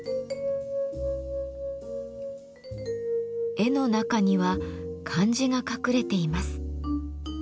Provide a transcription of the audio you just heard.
絵の中には漢字が隠れています。